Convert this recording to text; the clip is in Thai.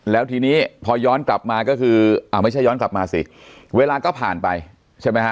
แล้วทีนี้พอย้อนกลับมาก็คืออ่าไม่ใช่ย้อนกลับมาสิเวลาก็ผ่านไปใช่ไหมฮะ